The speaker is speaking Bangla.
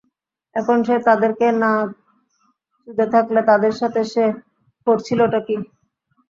এখন সে তাদেরকে না চুদে থাকলে, তাদের সাথে সে করছিলটা কী?